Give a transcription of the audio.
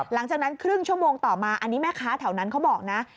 หลังจากนั้นครึ่งชั่วโมงต่อมาอันนี้แม่ค้าแถวนั้นเขาบอกนะ